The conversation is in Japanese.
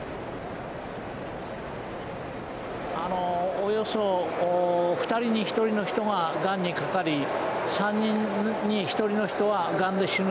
およそ２人に１人の人ががんにかかり３人に１人の人はがんで死ぬということです。